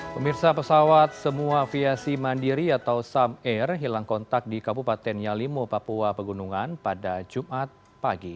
pemirsa pesawat semua viasi mandiri atau sam air hilang kontak di kabupaten yalimo papua pegunungan pada jumat pagi